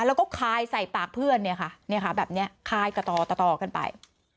แล้วก็คายใส่ปากเพื่อนเนี่ยค่ะเนี่ยค่ะแบบเนี้ยคายตะตอกันไป